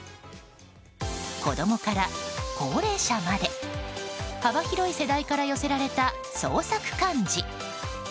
子供から高齢者まで幅広い世代から寄せられた創作漢字。